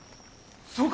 そうか！